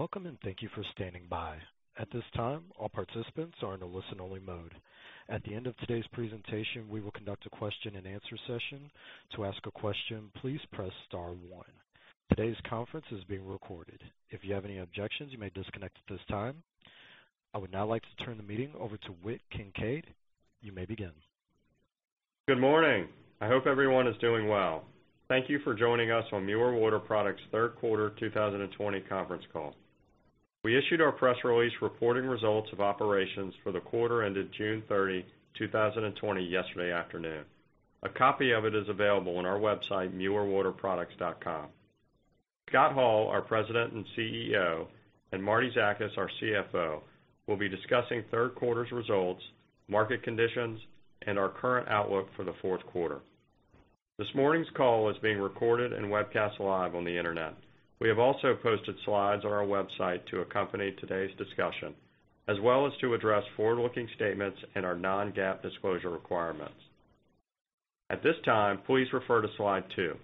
I would now like to turn the meeting over to Whit Kincaid. You may begin. Good morning. I hope everyone is doing well. Thank you for joining us on Mueller Water Products' third quarter 2020 conference call. We issued our press release reporting results of operations for the quarter ended June 30, 2020 yesterday afternoon. A copy of it is available on our website, muellerwaterproducts.com. Scott Hall, our President and CEO, and Marietta Zakas, our CFO, will be discussing third quarter's results, market conditions, and our current outlook for the fourth quarter. This morning's call is being recorded and webcast live on the Internet. We have also posted slides on our website to accompany today's discussion, as well as to address forward-looking statements and our non-GAAP disclosure requirements. At this time, please refer to slide two.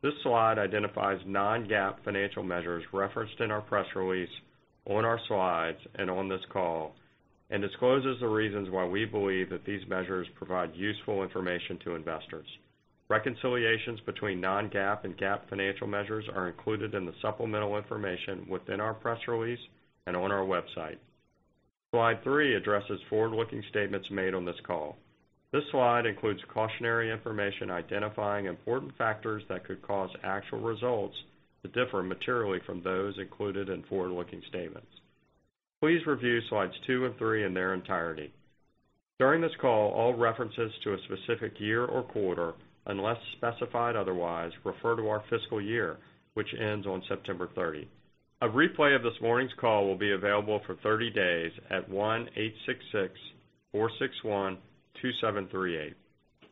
This slide identifies non-GAAP financial measures referenced in our press release, on our slides, and on this call, and discloses the reasons why we believe that these measures provide useful information to investors. Reconciliations between non-GAAP and GAAP financial measures are included in the supplemental information within our press release and on our website. Slide three addresses forward-looking statements made on this call. This slide includes cautionary information identifying important factors that could cause actual results to differ materially from those included in forward-looking statements. Please review slides two and three in their entirety. During this call, all references to a specific year or quarter, unless specified otherwise, refer to our fiscal year, which ends on September 30. A replay of this morning's call will be available for 30 days at 1-866-461-2738.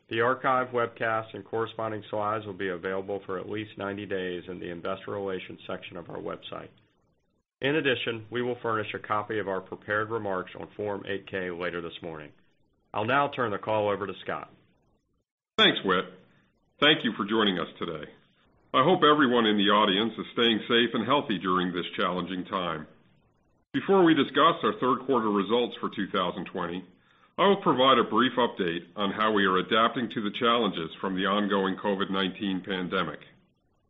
The archived webcast and corresponding slides will be available for at least 90 days in the investor relations section of our website. In addition, we will furnish a copy of our prepared remarks on Form 8-K later this morning. I'll now turn the call over to Scott. Thanks, Whit. Thank you for joining us today. I hope everyone in the audience is staying safe and healthy during this challenging time. Before we discuss our third quarter results for 2020, I will provide a brief update on how we are adapting to the challenges from the ongoing COVID-19 pandemic.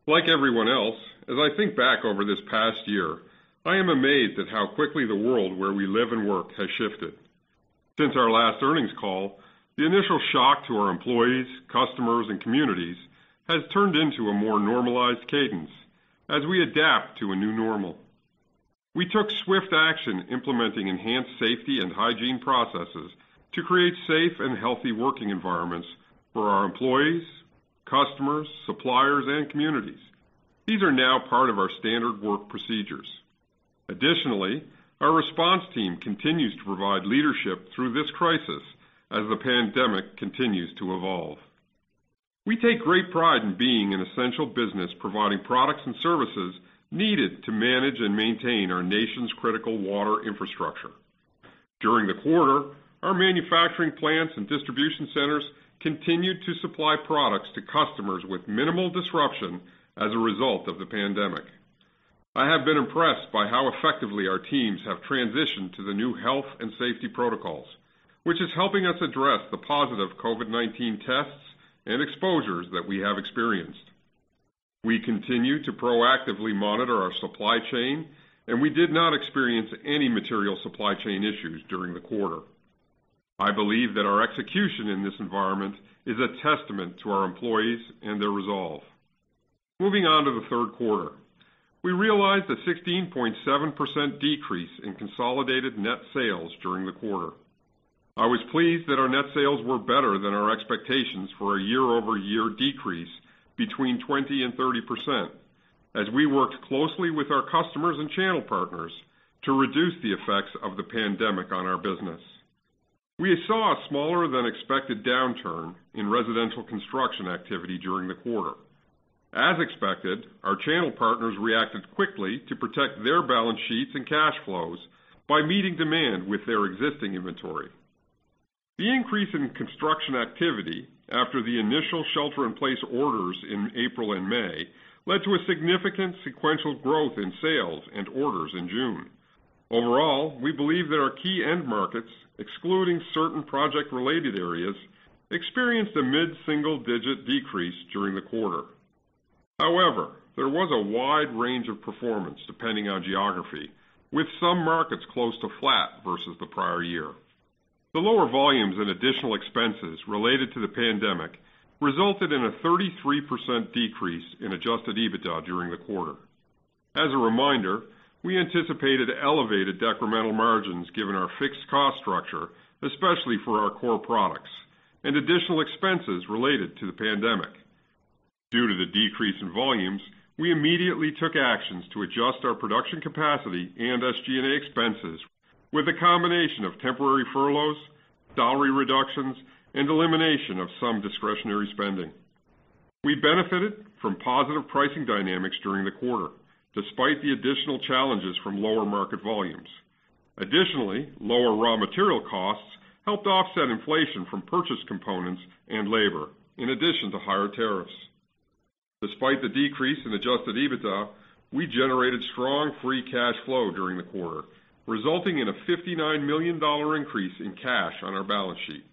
Like everyone else, as I think back over this past year, I am amazed at how quickly the world where we live and work has shifted. Since our last earnings call, the initial shock to our employees, customers, and communities has turned into a more normalized cadence as we adapt to a new normal. We took swift action implementing enhanced safety and hygiene processes to create safe and healthy working environments for our employees, customers, suppliers, and communities. These are now part of our standard work procedures. Additionally, our response team continues to provide leadership through this crisis as the pandemic continues to evolve. We take great pride in being an essential business providing products and services needed to manage and maintain our nation's critical water infrastructure. During the quarter, our manufacturing plants and distribution centers continued to supply products to customers with minimal disruption as a result of the pandemic. I have been impressed by how effectively our teams have transitioned to the new health and safety protocols, which is helping us address the positive COVID-19 tests and exposures that we have experienced. We continue to proactively monitor our supply chain, and we did not experience any material supply chain issues during the quarter. I believe that our execution in this environment is a testament to our employees and their resolve. Moving on to the third quarter. We realized a 16.7% decrease in consolidated net sales during the quarter. I was pleased that our net sales were better than our expectations for a year-over-year decrease between 20% and 30% as we worked closely with our customers and channel partners to reduce the effects of the pandemic on our business. We saw a smaller-than-expected downturn in residential construction activity during the quarter. As expected, our channel partners reacted quickly to protect their balance sheets and cash flows by meeting demand with their existing inventory. The increase in construction activity after the initial shelter-in-place orders in April and May led to a significant sequential growth in sales and orders in June. Overall, we believe that our key end markets, excluding certain project-related areas, experienced a mid-single-digit decrease during the quarter. However, there was a wide range of performance depending on geography, with some markets close to flat versus the prior year. The lower volumes and additional expenses related to the pandemic resulted in a 33% decrease in adjusted EBITDA during the quarter. As a reminder, we anticipated elevated decremental margins given our fixed cost structure, especially for our core products and additional expenses related to the pandemic. Due to the decrease in volumes, we immediately took actions to adjust our production capacity and SG&A expenses with a combination of temporary furloughs, salary reductions, and elimination of some discretionary spending. We benefited from positive pricing dynamics during the quarter, despite the additional challenges from lower market volumes. Additionally, lower raw material costs helped offset inflation from purchase components and labor, in addition to higher tariffs. Despite the decrease in adjusted EBITDA, we generated strong free cash flow during the quarter, resulting in a $59 million increase in cash on our balance sheet.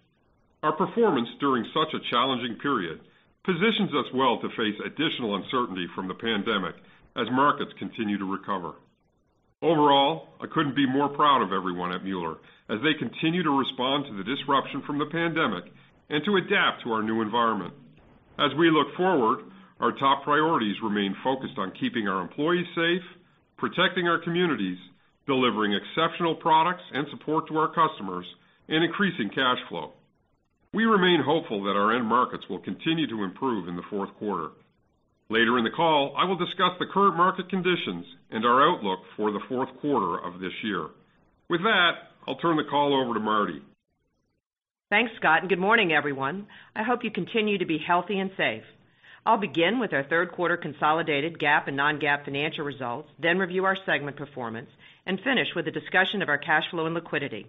Our performance during such a challenging period positions us well to face additional uncertainty from the pandemic as markets continue to recover. Overall, I couldn't be more proud of everyone at Mueller, as they continue to respond to the disruption from the pandemic and to adapt to our new environment. As we look forward, our top priorities remain focused on keeping our employees safe, protecting our communities, delivering exceptional products and support to our customers, and increasing cash flow. We remain hopeful that our end markets will continue to improve in the fourth quarter. Later in the call, I will discuss the current market conditions and our outlook for the fourth quarter of this year. With that, I'll turn the call over to Martie. Thanks, Scott. Good morning, everyone. I hope you continue to be healthy and safe. I'll begin with our third quarter consolidated GAAP and non-GAAP financial results, then review our segment performance, and finish with a discussion of our cash flow and liquidity.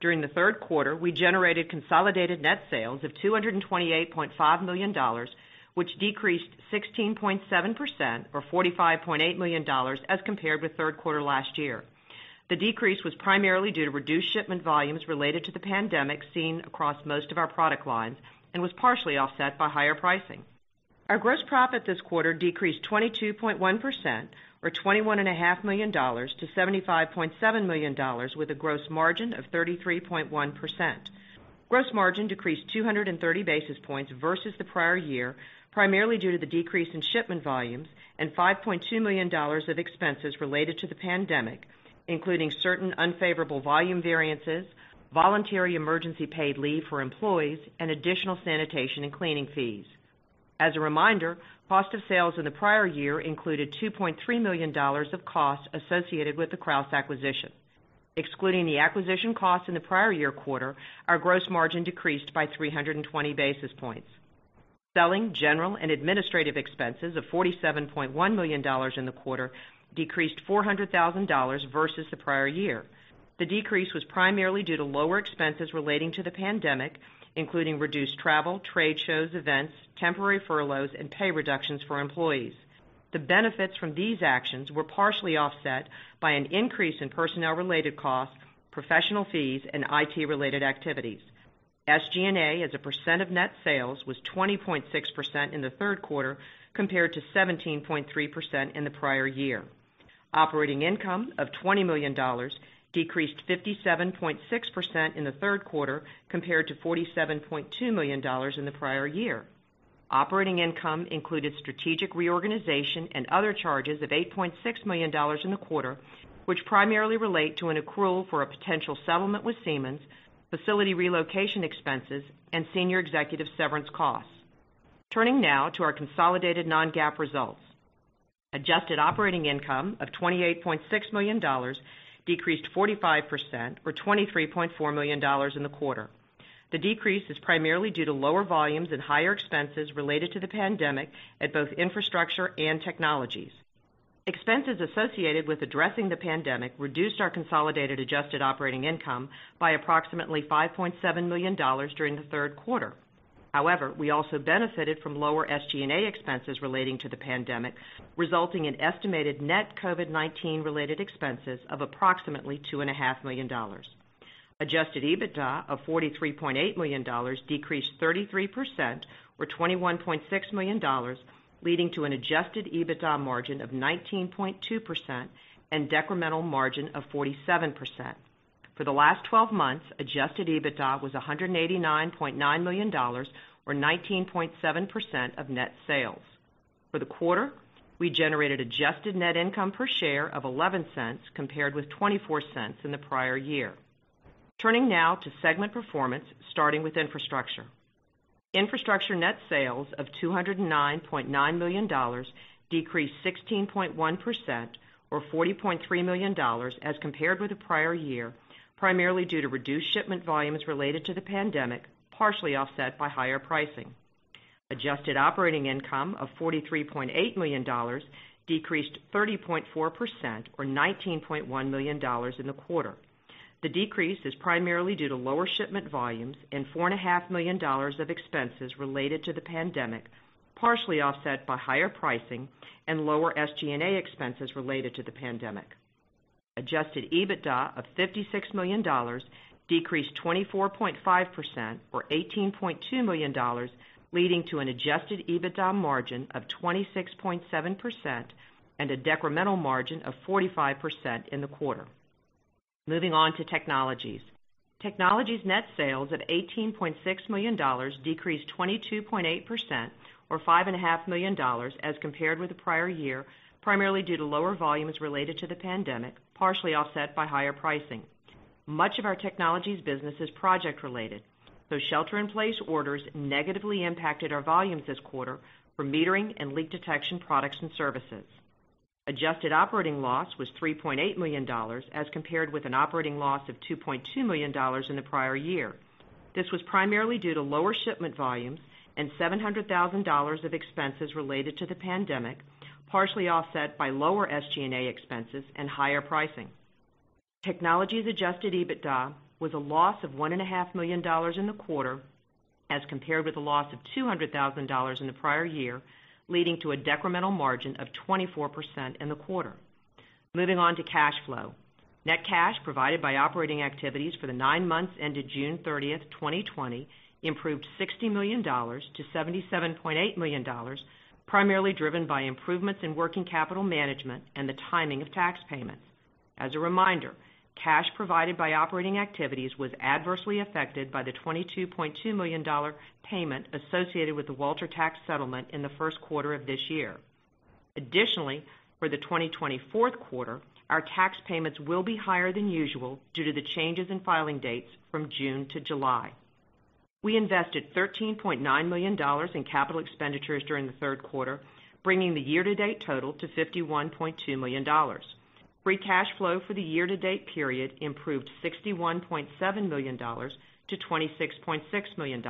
During the third quarter, we generated consolidated net sales of $228.5 million, which decreased 16.7%, or $45.8 million as compared with third quarter last year. The decrease was primarily due to reduced shipment volumes related to the pandemic seen across most of our product lines and was partially offset by higher pricing. Our gross profit this quarter decreased 22.1%, or $21.5 million to $75.7 million, with a gross margin of 33.1%. Gross margin decreased 230 basis points versus the prior year, primarily due to the decrease in shipment volumes and $5.2 million of expenses related to the pandemic, including certain unfavorable volume variances, voluntary emergency paid leave for employees, and additional sanitation and cleaning fees. As a reminder, cost of sales in the prior year included $2.3 million of costs associated with the Krausz acquisition. Excluding the acquisition costs in the prior-year quarter, our gross margin decreased by 320 basis points. Selling, general, and administrative expenses of $47.1 million in the quarter decreased $400,000 versus the prior year. The decrease was primarily due to lower expenses relating to the pandemic, including reduced travel, trade shows, events, temporary furloughs, and pay reductions for employees. The benefits from these actions were partially offset by an increase in personnel-related costs, professional fees, and IT-related activities. SG&A as a percent of net sales was 20.6% in the third quarter, compared to 17.3% in the prior year. Operating income of $20 million decreased 57.6% in the third quarter compared to $47.2 million in the prior year. Operating income included strategic reorganization and other charges of $8.6 million in the quarter, which primarily relate to an accrual for a potential settlement with Siemens, facility relocation expenses, and senior executive severance costs. Turning now to our consolidated non-GAAP results. Adjusted operating income of $28.6 million decreased 45%, or $23.4 million in the quarter. The decrease is primarily due to lower volumes and higher expenses related to the pandemic at both Infrastructure and Technologies. Expenses associated with addressing the pandemic reduced our consolidated adjusted operating income by approximately $5.7 million during the third quarter. However, we also benefited from lower SG&A expenses relating to the pandemic, resulting in estimated net COVID-19-related expenses of approximately $2.5 million. Adjusted EBITDA of $43.8 million decreased 33%, or $21.6 million, leading to an adjusted EBITDA margin of 19.2% and decremental margin of 47%. For the last 12 months, adjusted EBITDA was $189.9 million or 19.7% of net sales. For the quarter, we generated adjusted net income per share of $0.11, compared with $0.24 in the prior year. Turning now to segment performance, starting with Infrastructure. Infrastructure net sales of $209.9 million decreased 16.1%, or $40.3 million as compared with the prior year, primarily due to reduced shipment volumes related to the pandemic, partially offset by higher pricing. Adjusted operating income of $43.8 million decreased 30.4%, or $19.1 million in the quarter. The decrease is primarily due to lower shipment volumes and $4.5 million of expenses related to the pandemic, partially offset by higher pricing and lower SG&A expenses related to the pandemic. Adjusted EBITDA of $56 million decreased 24.5%, or $18.2 million, leading to an adjusted EBITDA margin of 26.7% and a decremental margin of 45% in the quarter. Moving on to Technologies. Technologies net sales of $18.6 million decreased 22.8%, or $5.5 million as compared with the prior year, primarily due to lower volumes related to the pandemic, partially offset by higher pricing. Much of our Technologies business is project-related, so shelter-in-place orders negatively impacted our volumes this quarter for metering and leak detection products and services. Adjusted operating loss was $3.8 million, as compared with an operating loss of $2.2 million in the prior year. This was primarily due to lower shipment volumes and $700,000 of expenses related to the pandemic. Offset by lower SG&A expenses and higher pricing. Technologies adjusted EBITDA was a loss of $1.5 million in the quarter, as compared with a loss of $200,000 in the prior year, leading to a decremental margin of 24% in the quarter. Moving on to cash flow. Net cash provided by operating activities for the nine months ended June 30th, 2020, improved $60 million to $77.8 million, primarily driven by improvements in working capital management and the timing of tax payments. As a reminder, cash provided by operating activities was adversely affected by the $22.2 million payment associated with the Walter Tax settlement in the first quarter of this year. Additionally, for the 2020 fourth quarter, our tax payments will be higher than usual due to the changes in filing dates from June to July. We invested $13.9 million in capital expenditures during the third quarter, bringing the year-to-date total to $51.2 million. Free cash flow for the year-to-date period improved $61.7 million to $26.6 million.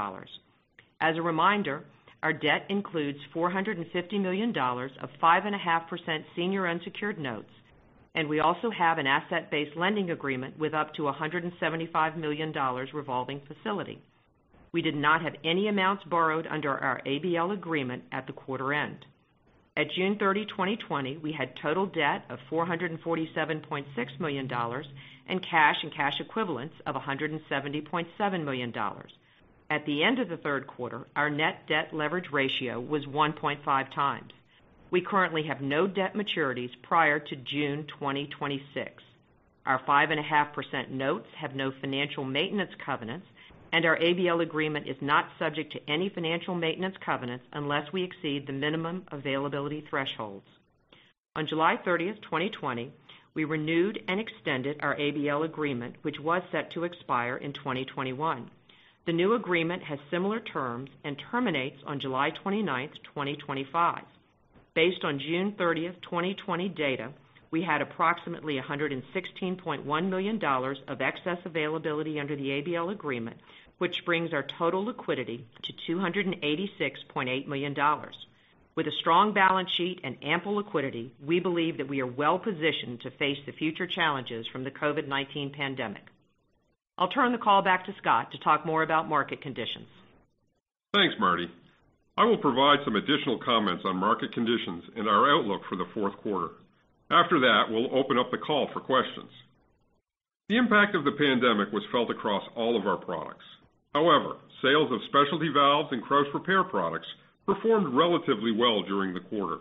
As a reminder, our debt includes $450 million of 5.5% senior unsecured notes. We also have an asset-based lending agreement with up to $175 million revolving facility. We did not have any amounts borrowed under our ABL agreement at the quarter end. At June 30, 2020, we had total debt of $447.6 million and cash and cash equivalents of $170.7 million. At the end of the third quarter, our net debt leverage ratio was 1.5x. We currently have no debt maturities prior to June 2026. Our 5.5% notes have no financial maintenance covenants. Our ABL agreement is not subject to any financial maintenance covenants unless we exceed the minimum availability thresholds. On July 30th, 2020, we renewed and extended our ABL agreement, which was set to expire in 2021. The new agreement has similar terms and terminates on July 29th, 2025. Based on June 30th, 2020 data, we had approximately $116.1 million of excess availability under the ABL agreement, which brings our total liquidity to $286.8 million. With a strong balance sheet and ample liquidity, we believe that we are well positioned to face the future challenges from the COVID-19 pandemic. I'll turn the call back to Scott to talk more about market conditions. Thanks, Martie. I will provide some additional comments on market conditions and our outlook for the fourth quarter. After that, we'll open up the call for questions. The impact of the pandemic was felt across all of our products. Sales of specialty valves and Krausz repair products performed relatively well during the quarter.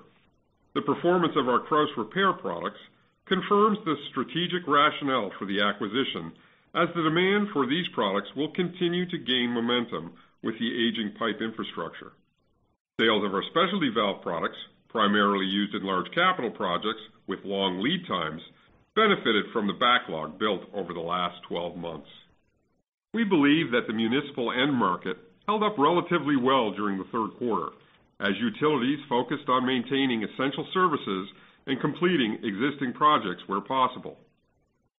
The performance of our Krausz repair products confirms the strategic rationale for the acquisition as the demand for these products will continue to gain momentum with the aging pipe infrastructure. Sales of our specialty valve products, primarily used in large capital projects with long lead times, benefited from the backlog built over the last 12 months. We believe that the municipal end market held up relatively well during the third quarter as utilities focused on maintaining essential services and completing existing projects where possible.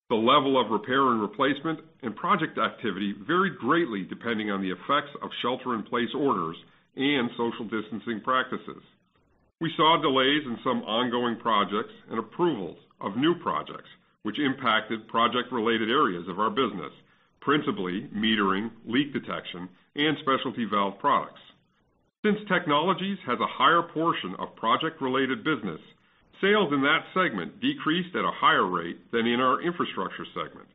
The level of repair and replacement and project activity varied greatly depending on the effects of shelter-in-place orders and social distancing practices. We saw delays in some ongoing projects and approvals of new projects, which impacted project-related areas of our business, principally metering, leak detection, and specialty valve products. Since Technologies has a higher portion of project-related business, sales in that segment decreased at a higher rate than in our Infrastructure segment.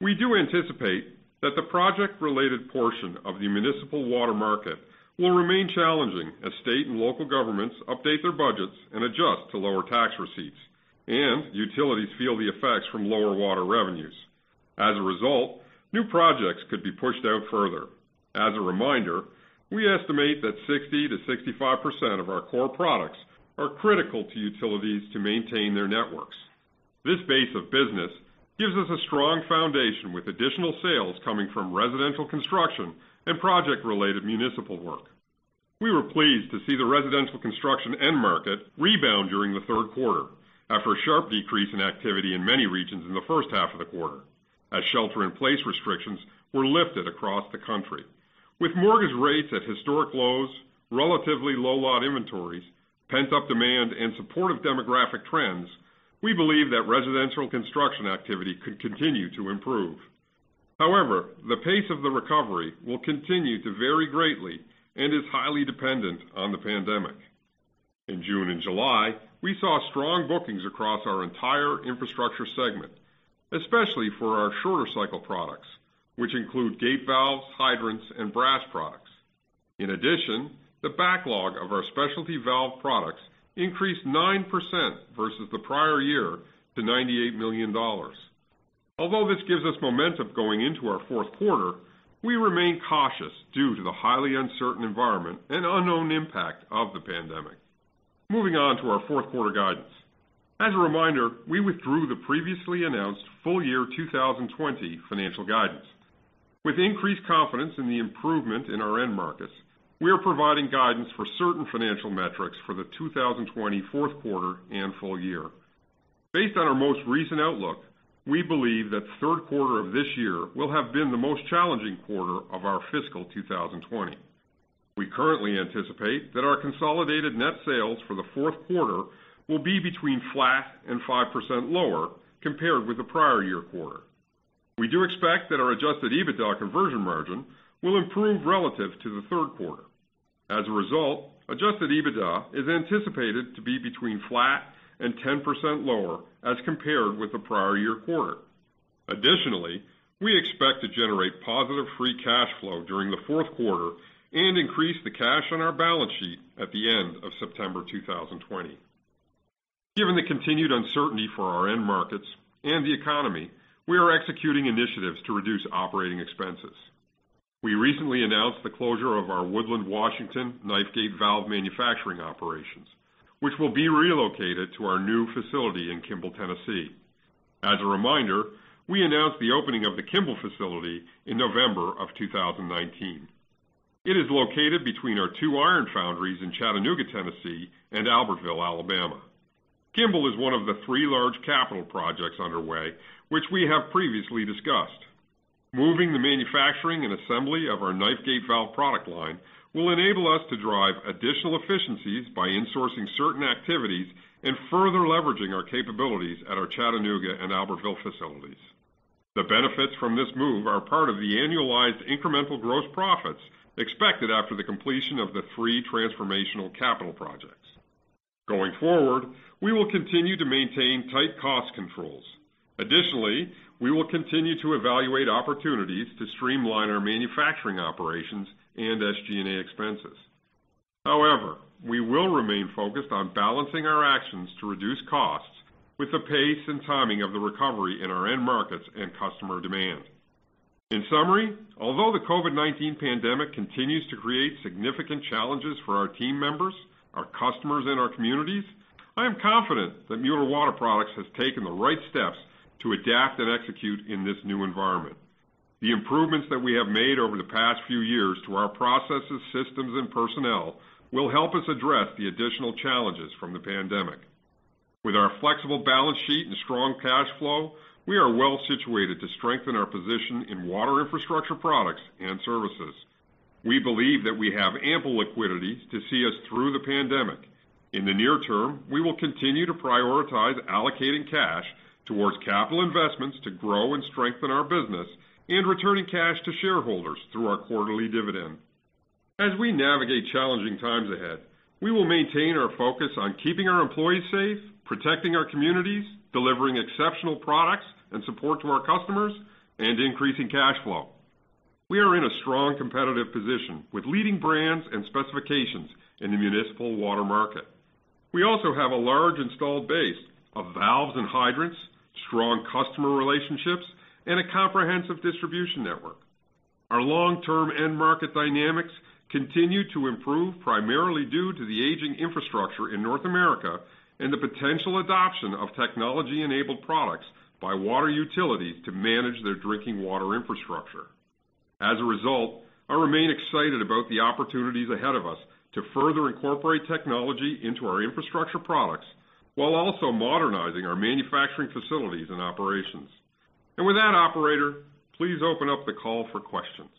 We do anticipate that the project-related portion of the municipal water market will remain challenging as state and local governments update their budgets and adjust to lower tax receipts, and utilities feel the effects from lower water revenues. As a result, new projects could be pushed out further. As a reminder, we estimate that 60%-65% of our core products are critical to utilities to maintain their networks. This base of business gives us a strong foundation with additional sales coming from residential construction and project-related municipal work. We were pleased to see the residential construction end market rebound during the third quarter after a sharp decrease in activity in many regions in the first half of the quarter as shelter-in-place restrictions were lifted across the country. With mortgage rates at historic lows, relatively low lot inventories, pent-up demand, and supportive demographic trends, we believe that residential construction activity could continue to improve. The pace of the recovery will continue to vary greatly and is highly dependent on the pandemic. In June and July, we saw strong bookings across our entire Infrastructure segment, especially for our shorter-cycle products, which include gate valves, hydrants, and brass products. The backlog of our specialty valve products increased 9% versus the prior year to $98 million. Although this gives us momentum going into our fourth quarter, we remain cautious due to the highly uncertain environment and unknown impact of the pandemic. Moving on to our fourth quarter guidance. As a reminder, we withdrew the previously announced full year 2020 financial guidance. With increased confidence in the improvement in our end markets, we are providing guidance for certain financial metrics for the 2020 fourth quarter and full year. Based on our most recent outlook, we believe that the third quarter of this year will have been the most challenging quarter of our fiscal 2020. We currently anticipate that our consolidated net sales for the fourth quarter will be between flat and 5% lower compared with the prior-year quarter. We do expect that our adjusted EBITDA conversion margin will improve relative to the third quarter. As a result, adjusted EBITDA is anticipated to be between flat and 10% lower as compared with the prior-year quarter. Additionally, we expect to generate positive free cash flow during the fourth quarter and increase the cash on our balance sheet at the end of September 2020. Given the continued uncertainty for our end markets and the economy, we are executing initiatives to reduce operating expenses. We recently announced the closure of our Woodland, Washington, knife gate valve manufacturing operations, which will be relocated to our new facility in Kimball, Tennessee. As a reminder, we announced the opening of the Kimball facility in November of 2019. It is located between our two iron foundries in Chattanooga, Tennessee, and Albertville, Alabama. Kimball is one of the three large capital projects underway, which we have previously discussed. Moving the manufacturing and assembly of our knife gate valve product line will enable us to drive additional efficiencies by insourcing certain activities and further leveraging our capabilities at our Chattanooga and Albertville facilities. The benefits from this move are part of the annualized incremental gross profits expected after the completion of the three transformational capital projects. Going forward, we will continue to maintain tight cost controls. Additionally, we will continue to evaluate opportunities to streamline our manufacturing operations and SG&A expenses. However, we will remain focused on balancing our actions to reduce costs with the pace and timing of the recovery in our end markets and customer demand. In summary, although the COVID-19 pandemic continues to create significant challenges for our team members, our customers, and our communities, I am confident that Mueller Water Products has taken the right steps to adapt and execute in this new environment. The improvements that we have made over the past few years to our processes, systems, and personnel will help us address the additional challenges from the pandemic. With our flexible balance sheet and strong cash flow, we are well situated to strengthen our position in water infrastructure products and services. We believe that we have ample liquidity to see us through the pandemic. In the near term, we will continue to prioritize allocating cash towards capital investments to grow and strengthen our business and returning cash to shareholders through our quarterly dividend. As we navigate challenging times ahead, we will maintain our focus on keeping our employees safe, protecting our communities, delivering exceptional products and support to our customers, and increasing cash flow. We are in a strong competitive position with leading brands and specifications in the municipal water market. We also have a large installed base of valves and hydrants, strong customer relationships, and a comprehensive distribution network. Our long-term end market dynamics continue to improve primarily due to the aging infrastructure in North America and the potential adoption of technology-enabled products by water utilities to manage their drinking water infrastructure. As a result, I remain excited about the opportunities ahead of us to further incorporate technology into our Infrastructure products while also modernizing our manufacturing facilities and operations. With that, operator, please open up the call for questions.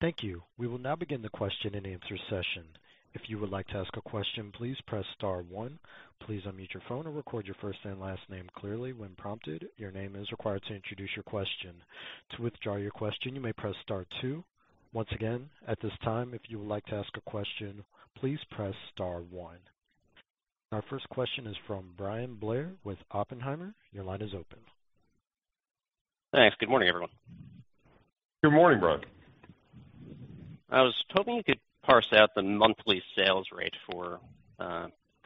Thank you. We will now begin the question-and-answer session. If you would like to ask a question, please press star one. Please unmute your phone and record your first and last name clearly when prompted. Your name is required to introduce your question. To withdraw your question, you may press star two. Once again, at this time, if you would like to ask a question please press star one. Our first question is from Bryan Blair with Oppenheimer. Your line is open. Thanks. Good morning, everyone. Good morning, Bryan. I was hoping you could parse out the monthly sales rate for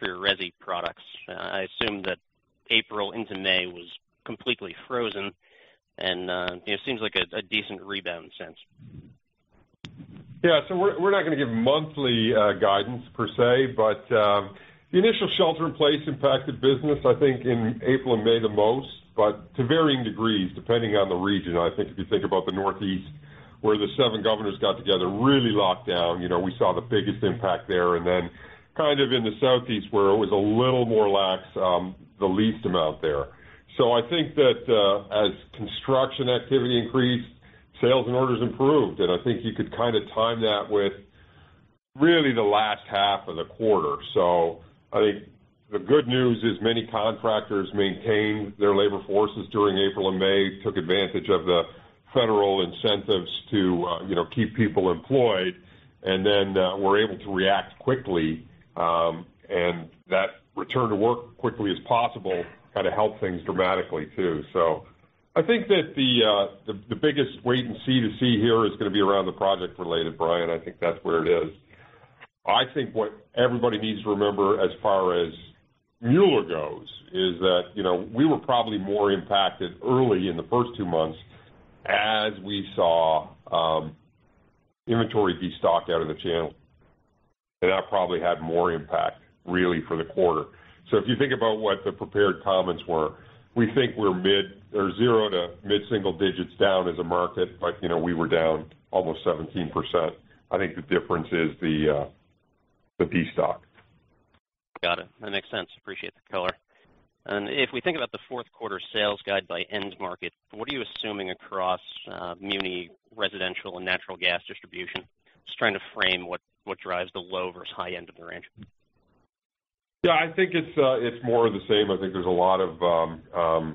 your resi products. I assume that April into May was completely frozen and, it seems like a decent rebound since. We're not going to give monthly guidance per se, but the initial shelter-in-place impacted business, I think, in April and May the most, but to varying degrees, depending on the region. I think if you think about the Northeast, where the seven governors got together, really locked down, we saw the biggest impact there. Kind of in the Southeast, where it was a little more lax, the least amount there. I think that as construction activity increased, sales and orders improved, and I think you could kind of time that with really the last half of the quarter. I think the good news is many contractors maintained their labor forces during April and May, took advantage of the federal incentives to keep people employed and then were able to react quickly. That return to work quickly as possible kind of helped things dramatically, too. I think that the biggest wait and see to see here is going to be around the project related, Bryan. I think that's where it is. I think what everybody needs to remember as far as Mueller goes is that, we were probably more impacted early in the first two months as we saw inventory destock out of the channel. That probably had more impact, really, for the quarter. If you think about what the prepared comments were, we think we're mid or zero to mid-single digits down as a market, but we were down almost 17%. I think the difference is the destock. Got it. That makes sense. Appreciate the color. If we think about the fourth quarter sales guide by end market, what are you assuming across muni, residential, and natural gas distribution? Just trying to frame what drives the low versus high end of the range. Yeah, I think it's more of the same. I think there's a lot of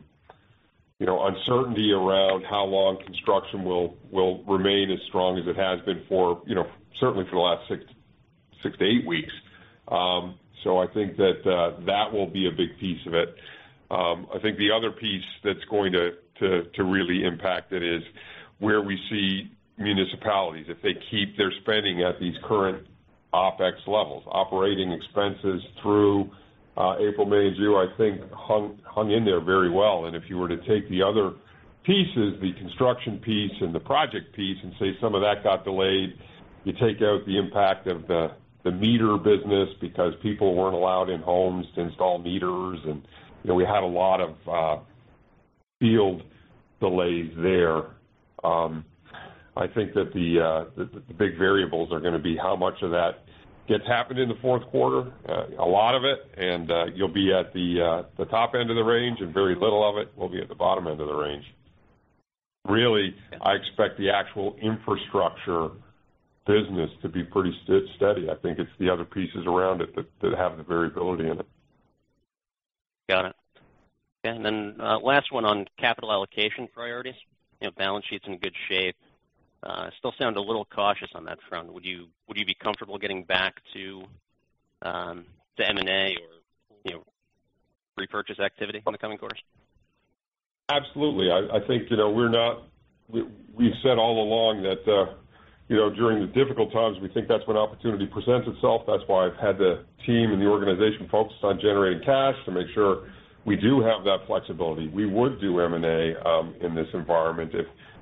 uncertainty around how long construction will remain as strong as it has been for certainly for the last six to eight weeks. I think that will be a big piece of it. I think the other piece that's going to really impact it is where we see municipalities, if they keep their spending at these current OpEx levels, operating expenses through April, May, and June, I think hung in there very well. If you were to take the other pieces, the construction piece and the project piece, and say some of that got delayed, you take out the impact of the meter business because people weren't allowed in homes to install meters. We had a lot of field delays there. I think that the big variables are going to be how much of that gets happened in the fourth quarter. A lot of it, you'll be at the top end of the range, and very little of it will be at the bottom end of the range. Really, I expect the actual Infrastructure business to be pretty steady. I think it's the other pieces around it that have the variability in it. Got it. Then last one on capital allocation priorities. Balance sheet's in good shape. Still sound a little cautious on that front. Would you be comfortable getting back to M&A or repurchase activity on the coming course? Absolutely. I think we said all along that during the difficult times, we think that's when opportunity presents itself. That's why I've had the team and the organization focused on generating cash to make sure we do have that flexibility. We would do M&A in this environment.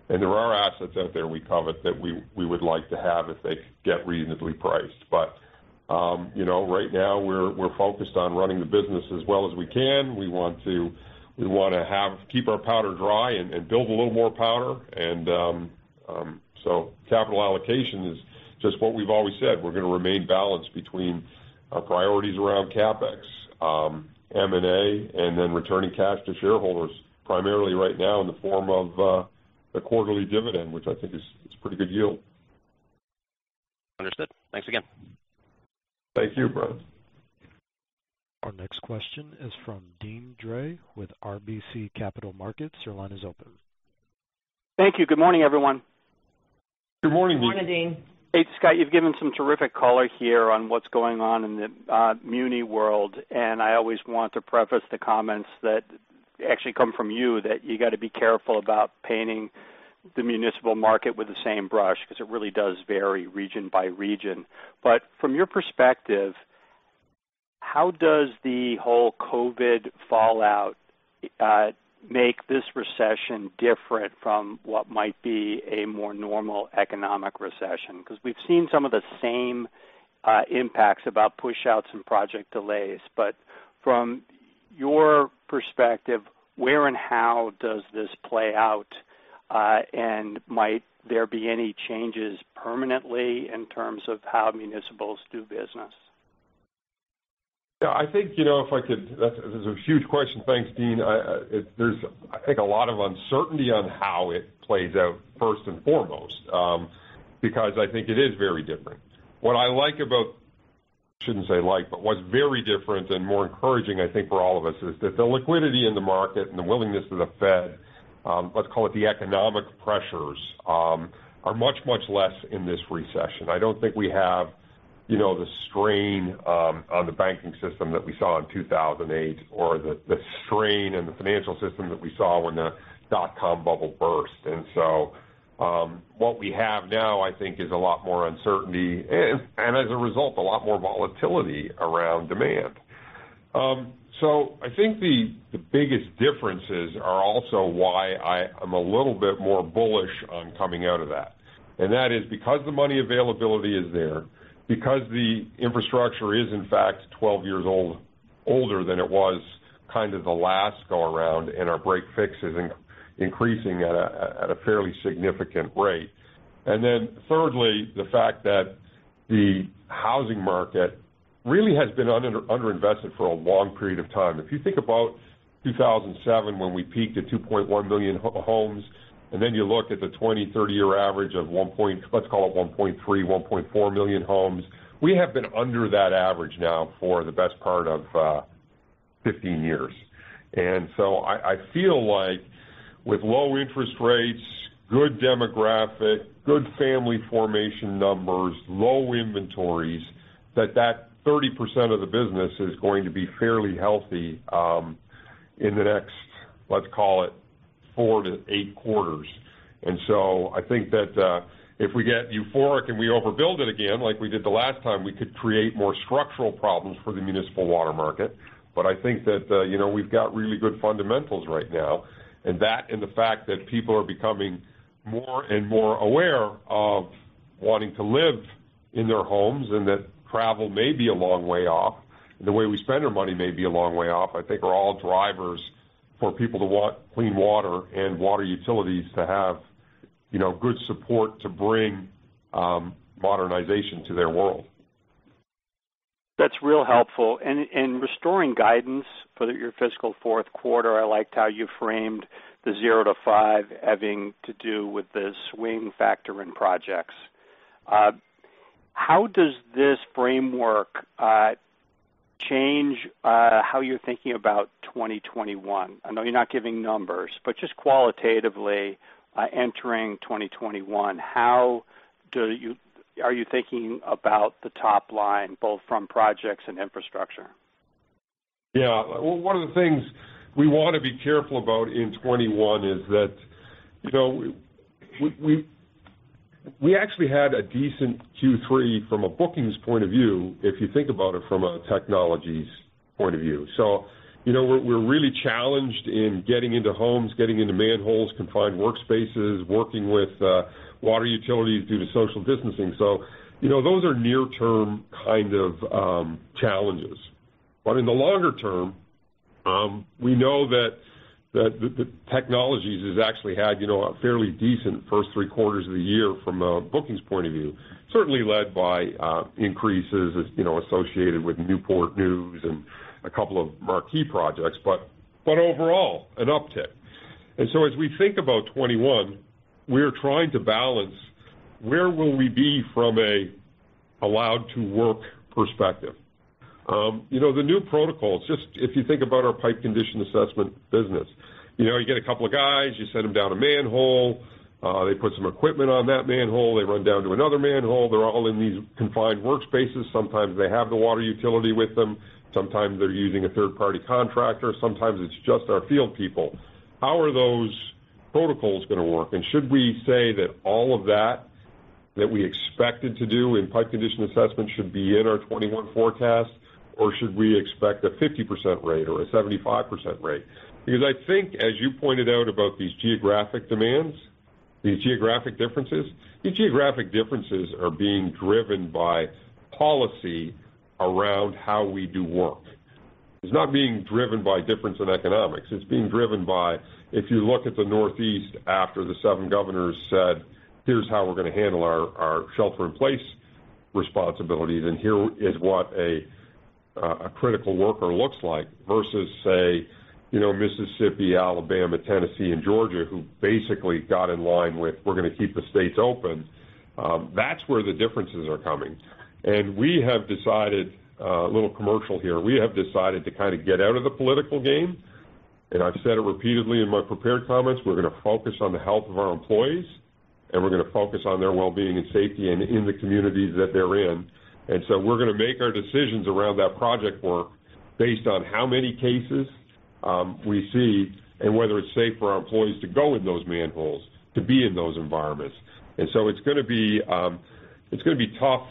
There are assets out there we covet that we would like to have if they get reasonably priced. Right now, we're focused on running the business as well as we can. We want to keep our powder dry and build a little more powder. Capital allocation is just what we've always said, we're going to remain balanced between our priorities around CapEx, M&A, and then returning cash to shareholders, primarily right now in the form of the quarterly dividend, which I think is a pretty good yield. Understood. Thanks again. Thank you, Bryan. Our next question is from Deane Dray with RBC Capital Markets. Your line is open. Thank you. Good morning, everyone. Good morning, Deane. Good morning, Deane. Hey, Scott. You've given some terrific color here on what's going on in the muni world. I always want to preface the comments that actually come from you that you got to be careful about painting the municipal market with the same brush because it really does vary region by region. From your perspective, how does the whole COVID fallout make this recession different from what might be a more normal economic recession? We've seen some of the same impacts about push-outs and project delays. From your perspective, where and how does this play out? Might there be any changes permanently in terms of how municipals do business? Yeah. That's a huge question. Thanks, Deane. There's a lot of uncertainty on how it plays out first and foremost because I think it is very different. What's very different and more encouraging for all of us is that the liquidity in the market and the willingness of the Fed, let's call it the economic pressures, are much, much less in this recession. I don't think we have the strain on the banking system that we saw in 2008 or the strain in the financial system that we saw when the dot-com bubble burst. What we have now is a lot more uncertainty and, as a result, a lot more volatility around demand. The biggest differences are also why I'm a little bit more bullish on coming out of that. That is because the money availability is there, because the infrastructure is, in fact, 12 years older than it was the last go around, and our break-fix is increasing at a fairly significant rate. Thirdly, the fact that the housing market really has been under-invested for a long period of time. If you think about 2007, when we peaked at 2.1 million homes, then you look at the 20, 30-year average of, let's call it 1.3, 1.4 million homes, we have been under that average now for the best part of 15 years. I feel like with low interest rates, good demographic, good family formation numbers, low inventories, that that 30% of the business is going to be fairly healthy in the next, let's call it four to eight quarters. I think that if we get euphoric and we overbuild it again, like we did the last time, we could create more structural problems for the municipal water market. I think that we've got really good fundamentals right now, and that and the fact that people are becoming more and more aware of wanting to live in their homes and that travel may be a long way off, and the way we spend our money may be a long way off, I think are all drivers for people to want clean water and water utilities to have good support to bring modernization to their world. That's real helpful. Restoring guidance for your fiscal fourth quarter, I liked how you framed the 0%-5% having to do with the swing factor in projects. How does this framework change how you're thinking about 2021? I know you're not giving numbers, but just qualitatively, entering 2021, how are you thinking about the top line, both from projects and Infrastructure? Yeah. One of the things we want to be careful about in 2021 is that we actually had a decent Q3 from a bookings point of view, if you think about it from a Technologies point of view. We're really challenged in getting into homes, getting into manholes, confined workspaces, working with water utilities due to social distancing. Those are near-term kind of challenges. In the longer term, we know that the Technologies has actually had a fairly decent first three quarters of the year from a bookings point of view, certainly led by increases associated with Newport News and a couple of marquee projects. Overall, an uptick. As we think about 2021, we are trying to balance where will we be from an allowed-to-work perspective. The new protocols, just if you think about our pipe condition assessment business. You get a couple of guys, you send them down a manhole, they put some equipment on that manhole. They run down to another manhole. They're all in these confined workspaces. Sometimes they have the water utility with them. Sometimes they're using a third-party contractor. Sometimes it's just our field people. How are those protocols going to work? Should we say that all of that that we expected to do in pipe condition assessment should be in our 2021 forecast, or should we expect a 50% rate or a 75% rate? I think as you pointed out about these geographic demands, these geographic differences, these geographic differences are being driven by policy around how we do work. It's not being driven by difference in economics. It's being driven by, if you look at the Northeast after the seven governors said, "Here's how we're going to handle our shelter-in-place responsibilities, and here is what a critical worker looks like," versus, say, Mississippi, Alabama, Tennessee, and Georgia, who basically got in line with, "We're going to keep the states open." That's where the differences are coming. We have decided, a little commercial here, we have decided to kind of get out of the political game, and I've said it repeatedly in my prepared comments. We're going to focus on the health of our employees, and we're going to focus on their well-being and safety and in the communities that they're in. We're going to make our decisions around that project work based on how many cases we see and whether it's safe for our employees to go in those manholes, to be in those environments. It's going to be tough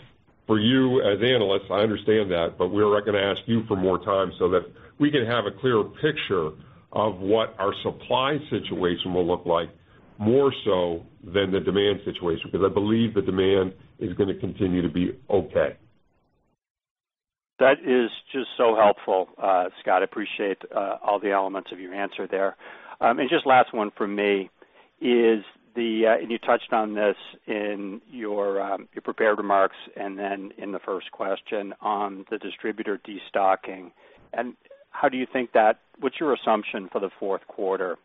for you as analysts, I understand that, but we're going to ask you for more time so that we can have a clearer picture of what our supply situation will look like, more so than the demand situation, because I believe the demand is going to continue to be okay. That is just so helpful, Scott. Appreciate all the elements of your answer there. Just last one from me is the, and you touched on this in your prepared remarks, and then in the first question on the distributor destocking. What's your assumption for the fourth quarter?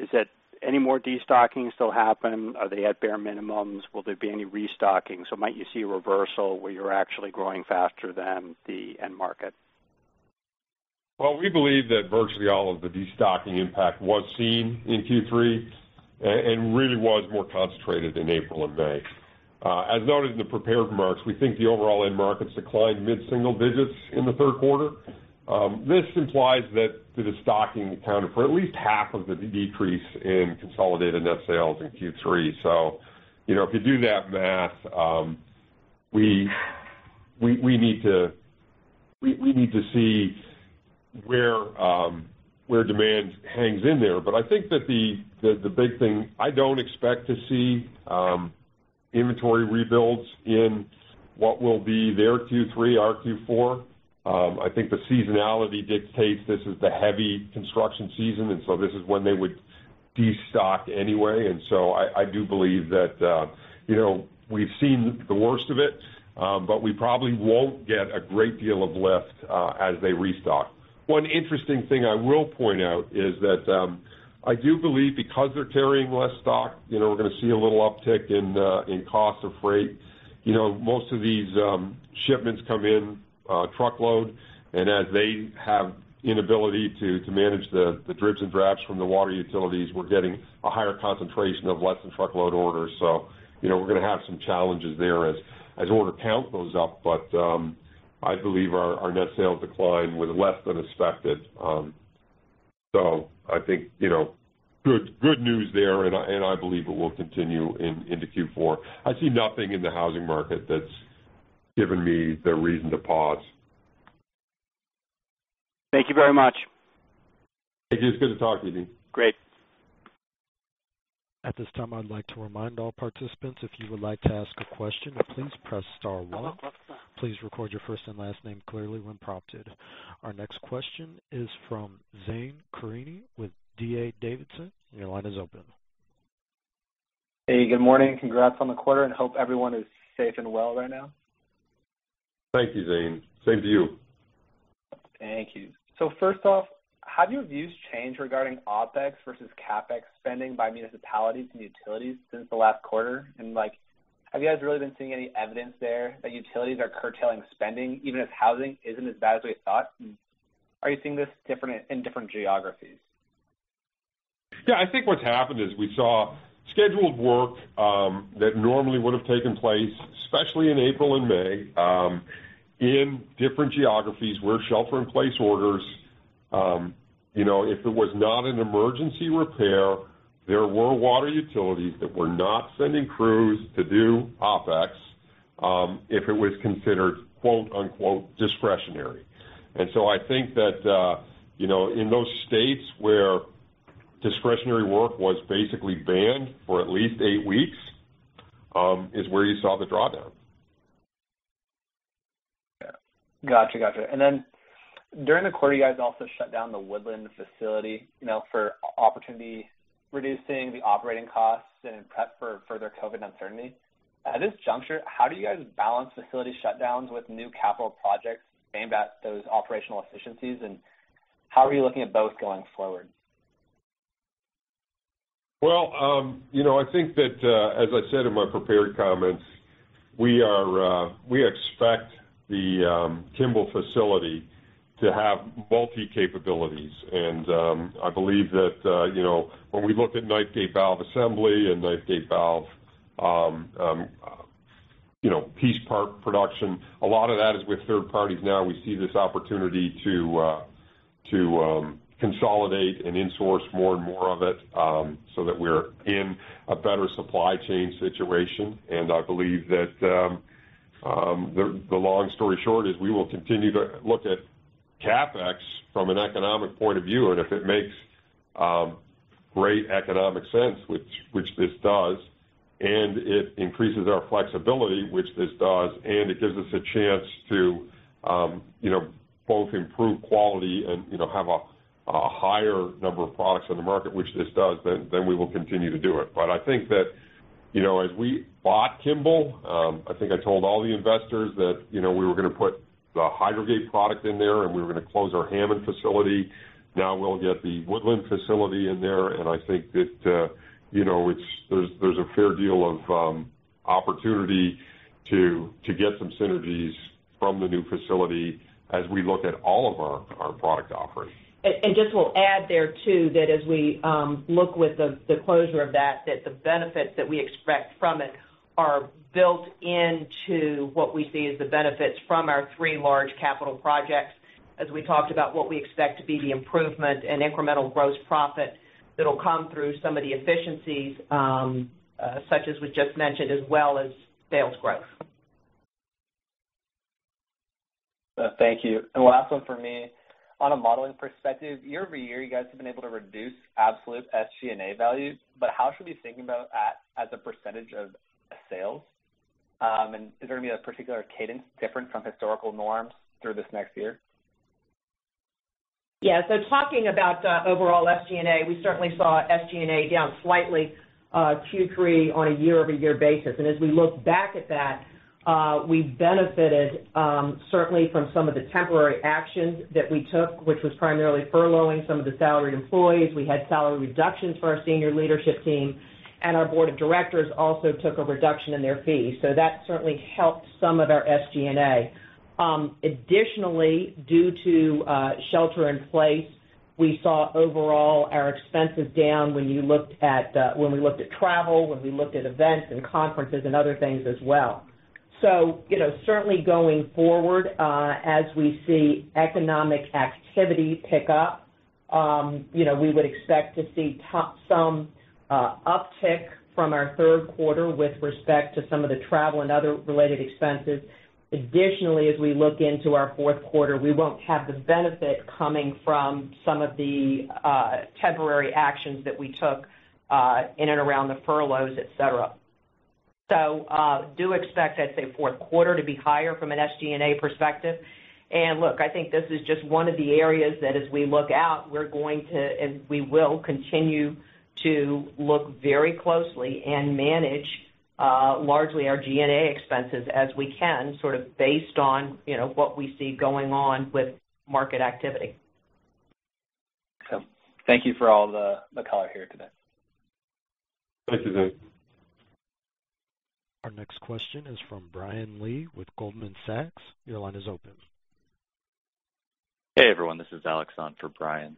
Is that any more destocking still happen? Are they at bare minimums? Will there be any restocking? Might you see a reversal where you're actually growing faster than the end market? We believe that virtually all of the destocking impact was seen in Q3 and really was more concentrated in April and May. As noted in the prepared remarks, we think the overall end markets declined mid-single digits in the third quarter. This implies that the destocking accounted for at least half of the decrease in consolidated net sales in Q3. If you do that math, we need to see where demand hangs in there. I think that the big thing, I don't expect to see inventory rebuilds in what will be their Q3, our Q4. I think the seasonality dictates this is the heavy construction season, and so this is when they would destock anyway. I do believe that we've seen the worst of it, but we probably won't get a great deal of lift as they restock. One interesting thing I will point out is that I do believe because they're carrying less stock, we're going to see a little uptick in cost of freight. Most of these shipments come in truckload, and as they have inability to manage the dribs and drabs from the water utilities, we're getting a higher concentration of less-than-truckload orders. We're going to have some challenges there as order count goes up. I believe our net sales decline was less than expected. I think good news there, and I believe it will continue into Q4. I see nothing in the housing market that's given me the reason to pause. Thank you very much. Hey, it's good to talk to you, Deane. Great. At this time, I'd like to remind all participants, if you would like to ask a question, please press star one. Please record your first and last name clearly when prompted. Our next question is from Zane Karimi with D.A. Davidson. Your line is open. Hey, good morning. Congrats on the quarter. Hope everyone is safe and well right now. Thank you, Zane. Same to you. Thank you. First off, have your views changed regarding OpEx versus CapEx spending by municipalities and utilities since the last quarter? Have you guys really been seeing any evidence there that utilities are curtailing spending, even if housing isn't as bad as we had thought? Are you seeing this in different geographies? Yeah, I think what's happened is we saw scheduled work that normally would have taken place, especially in April and May, in different geographies where shelter-in-place orders. If it was not an emergency repair, there were water utilities that were not sending crews to do OpEx, if it was considered "discretionary." I think that in those states where discretionary work was basically banned for at least eight weeks, is where you saw the drawdown. Yeah. Got you. During the quarter, you guys also shut down the Woodland facility for opportunity, reducing the operating costs and prep for further COVID uncertainty. At this juncture, how do you guys balance facility shutdowns with new capital projects aimed at those operational efficiencies, and how are you looking at both going forward? I think that, as I said in my prepared comments, we expect the Kimball facility to have multi capabilities. I believe that when we look at knife gate valve assembly and knife gate valve piece part production, a lot of that is with third parties now. We see this opportunity to consolidate and insource more and more of it so that we're in a better supply chain situation. I believe that the long story short is we will continue to look at CapEx from an economic point of view. If it makes great economic sense, which this does, and it increases our flexibility, which this does, and it gives us a chance to both improve quality and have a higher number of products on the market, which this does, then we will continue to do it. I think that as we bought Kimball, I think I told all the investors that we were going to put the Hydro Gate product in there, and we were going to close our Hammond facility. We'll get the Woodland facility in there, and I think that there's a fair deal of opportunity to get some synergies from the new facility as we look at all of our product offerings. Just will add there too, that as we look with the closure of that, the benefits that we expect from it are built into what we see as the benefits from our three large capital projects, as we talked about what we expect to be the improvement and incremental gross profit that'll come through some of the efficiencies, such as we just mentioned, as well as sales growth. Thank you. Last one from me. On a modeling perspective, year-over-year, you guys have been able to reduce absolute SG&A values, but how should we think about that as a percentage of sales? Is there going to be a particular cadence different from historical norms through this next year? Talking about overall SG&A, we certainly saw SG&A down slightly Q3 on a year-over-year basis. As we look back at that, we benefited certainly from some of the temporary actions that we took, which was primarily furloughing some of the salaried employees. We had salary reductions for our senior leadership team, and our Board of Directors also took a reduction in their fee. That certainly helped some of our SG&A. Additionally, due to shelter-in-place, we saw overall our expenses down when we looked at travel, when we looked at events and conferences and other things as well. Certainly going forward, as we see economic activity pick up, we would expect to see some uptick from our third quarter with respect to some of the travel and other related expenses. Additionally, as we look into our fourth quarter, we won't have the benefit coming from some of the temporary actions that we took in and around the furloughs, et cetera. Do expect, I'd say, fourth quarter to be higher from an SG&A perspective. Look, I think this is just one of the areas that as we look out, we will continue to look very closely and manage largely our G&A expenses as we can, sort of based on what we see going on with market activity. Thank you for all the color here today. Thank you, Zane. Our next question is from Brian Lee with Goldman Sachs. Your line is open. Hey, everyone, this is Alex on for Brian.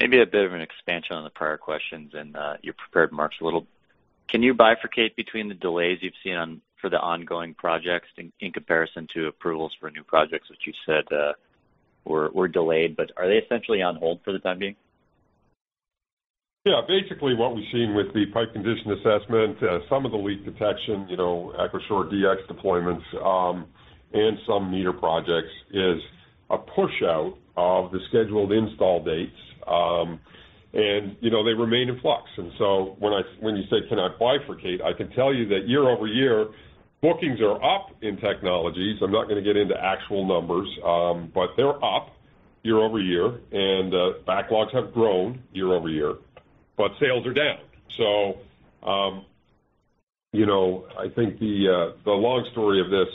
Maybe a bit of an expansion on the prior questions and your prepared remarks a little. Can you bifurcate between the delays you've seen for the ongoing projects in comparison to approvals for new projects, which you said were delayed, but are they essentially on hold for the time being? Yeah, basically what we've seen with the pipe condition assessment, some of the leak detection, EchoShore-DX deployments, and some meter projects, is a push out of the scheduled install dates, and they remain in flux. When you say, can I bifurcate, I can tell you that year-over-year, bookings are up in Technologies. I'm not going to get into actual numbers, but they're up year-over-year, and backlogs have grown year-over-year, but sales are down. I think the long story of this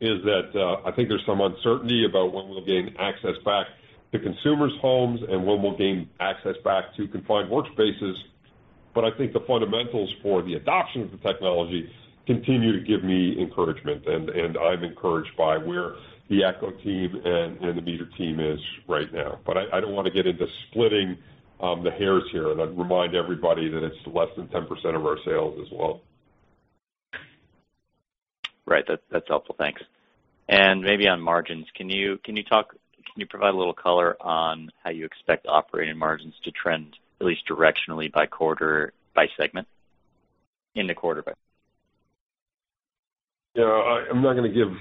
is that I think there's some uncertainty about when we'll gain access back to consumers' homes and when we'll gain access back to confined workspaces. I think the fundamentals for the adoption of the technology continue to give me encouragement, and I'm encouraged by where the Echo team and the meter team is right now. I don't want to get into splitting the hairs here, and I'd remind everybody that it's less than 10% of our sales as well. Right. That's helpful. Thanks. Maybe on margins, can you provide a little color on how you expect operating margins to trend, at least directionally by quarter, by segment in the quarter? I'm not going to give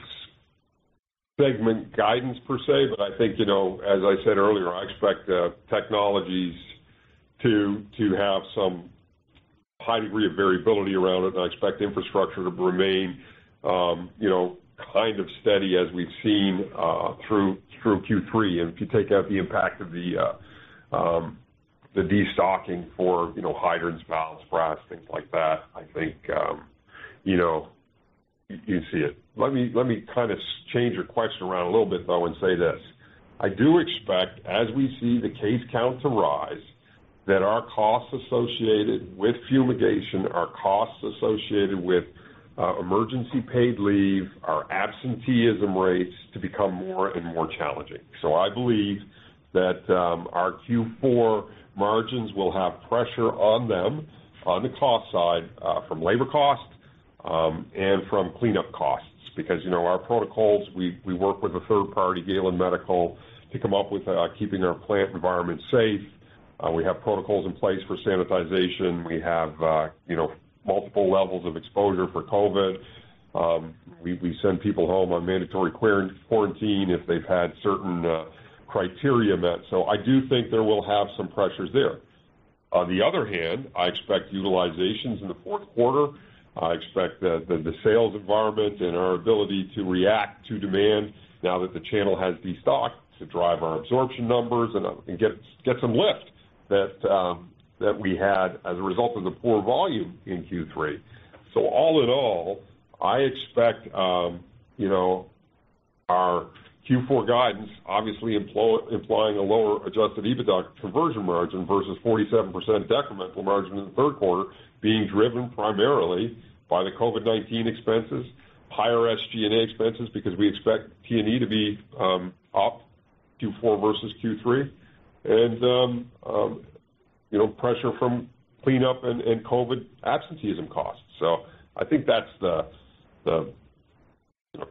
segment guidance per se, but I think, as I said earlier, I expect Technologies to have some high degree of variability around it, and I expect Infrastructure to remain kind of steady as we've seen through Q3. If you take out the impact of the destocking for hydrants, valves, brass, things like that, I think you'd see it. Let me kind of change your question around a little bit, though, and say this. I do expect, as we see the case counts arise, that our costs associated with fumigation, our costs associated with emergency paid leave, our absenteeism rates to become more and more challenging. I believe that our Q4 margins will have pressure on them on the cost side from labor cost and from cleanup costs. Our protocols, we work with a third party, Galen Medical, to come up with keeping our plant environment safe. We have protocols in place for sanitization. We have multiple levels of exposure for COVID. We send people home on mandatory quarantine if they've had certain criteria met. I do think there we'll have some pressures there. On the other hand, I expect utilizations in the fourth quarter. I expect that the sales environment and our ability to react to demand now that the channel has destocked to drive our absorption numbers and get some lift that we had as a result of the poor volume in Q3. All in all, I expect our Q4 guidance, obviously implying a lower adjusted EBITDA conversion margin versus 47% decremental margin in the third quarter, being driven primarily by the COVID-19 expenses, higher SG&A expenses because we expect T&E to be up Q4 versus Q3, and pressure from cleanup and COVID absenteeism costs. I think that's the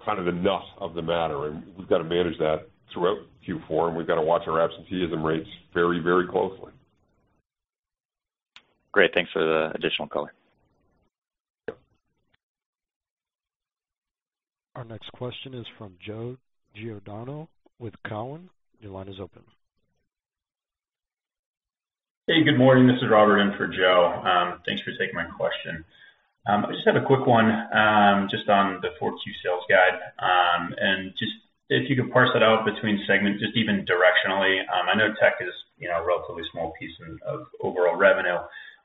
kind of the nut of the matter, and we've got to manage that throughout Q4, and we've got to watch our absenteeism rates very closely. Great. Thanks for the additional color. Yep. Our next question is from Joe Giordano with Cowen. Your line is open. Hey, good morning. This is Robert in for Joe. Thanks for taking my question. I just had a quick one just on the 4Q sales guide. Just if you could parse that out between segments, just even directionally. I know Tech is a relatively small piece of overall revenue.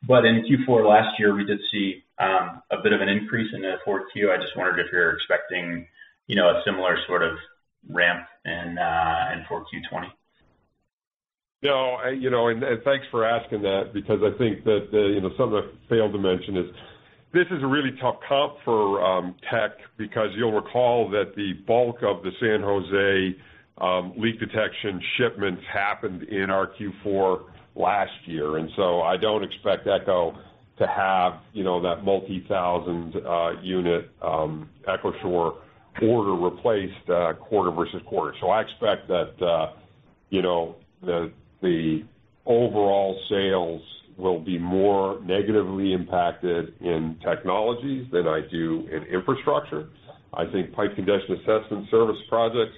In Q4 last year, we did see a bit of an increase in the 4Q. I just wondered if you're expecting a similar sort of ramp in 4Q 2020. No. Thanks for asking that because I think that something I failed to mention is this is a really tough comp for Technologies because you'll recall that the bulk of the San Jose leak detection shipments happened in our Q4 last year. I don't expect Echo to have that multi-thousand unit EchoShore order replaced quarter-versus-quarter. I expect that the overall sales will be more negatively impacted in Technologies than I do in Infrastructure. I think pipe condition assessment service projects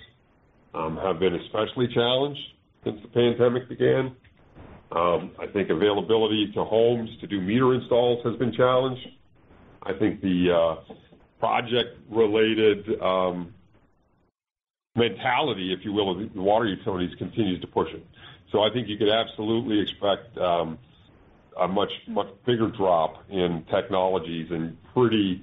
have been especially challenged since the pandemic began. I think availability to homes to do meter installs has been challenged. I think the project-related mentality, if you will, of the water utilities continues to push it. I think you could absolutely expect a much bigger drop in Technologies and pretty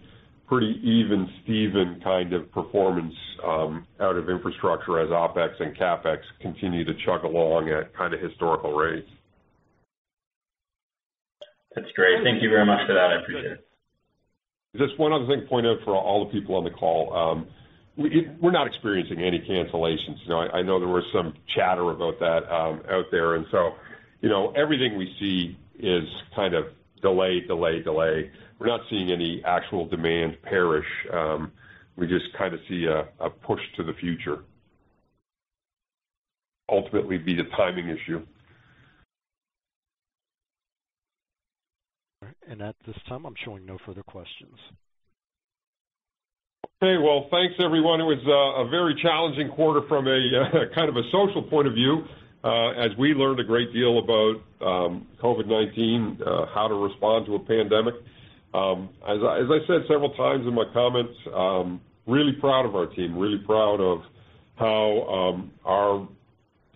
even-steven kind of performance out of Infrastructure as OpEx and CapEx continue to chug along at kind of historical rates. That's great. Thank you very much for that. I appreciate it. Just one other thing to point out for all the people on the call. We're not experiencing any cancellations. I know there was some chatter about that out there, everything we see is kind of delay. We're not seeing any actual demand perish. We just kind of see a push to the future. Ultimately, it will be the timing issue. At this time, I'm showing no further questions. Well, thanks everyone. It was a very challenging quarter from a kind of a social point of view, as we learned a great deal about COVID-19, how to respond to a pandemic. As I said several times in my comments, really proud of our team. Really proud of how our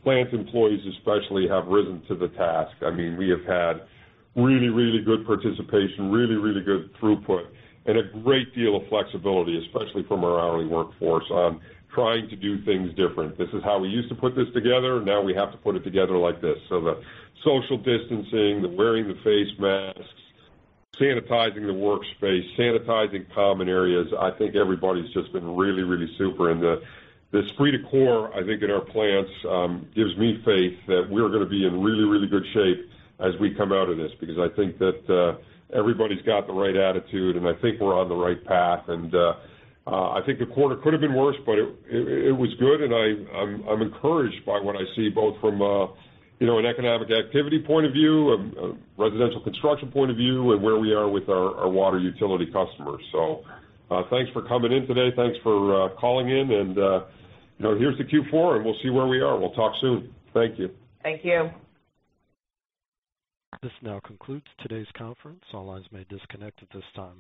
plant employees especially have risen to the task. We have had really good participation, really good throughput, and a great deal of flexibility, especially from our hourly workforce on trying to do things different. This is how we used to put this together, now we have to put it together like this. The social distancing, the wearing the face masks, sanitizing the workspace, sanitizing common areas, I think everybody's just been really super. The esprit de corps, I think, in our plants gives me faith that we're going to be in really good shape as we come out of this. I think that everybody's got the right attitude, and I think we're on the right path. I think the quarter could have been worse, but it was good, and I'm encouraged by what I see, both from an economic activity point of view, a residential construction point of view, and where we are with our water utility customers. Thanks for coming in today. Thanks for calling in and here's to Q4. We'll see where we are. We'll talk soon. Thank you. Thank you. This now concludes today's conference. All lines may disconnect at this time.